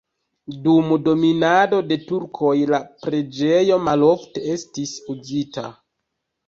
Dum dominado de turkoj la preĝejo malofte estis uzita.